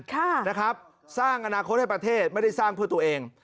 ค่ะนะครับสร้างอนาคตให้ประเทศไม่ได้สร้างเพื่อตัวเอง